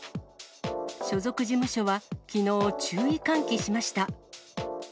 所属事務所はきのう、注意喚起しました。